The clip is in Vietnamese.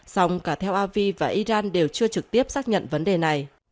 song cả theo avi và iran đều chưa trực tiếp xác nhận vấn đề này